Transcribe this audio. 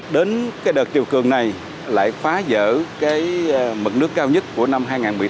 đến cái đợt chiều cường này lại phá dỡ cái mực nước cao nhất của năm hai nghìn một mươi tám